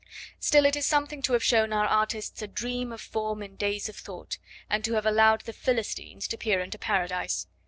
Still it is something to have shown our artists 'a dream of form in days of thought,' and to have allowed the Philistines to peer into Paradise.